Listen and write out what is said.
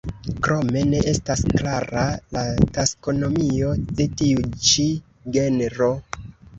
Krome ne estas klara la taksonomio de tiu ĉi genro.